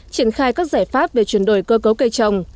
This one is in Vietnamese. triển khai các giải pháp về chuyển đổi cơ cấu cây trồng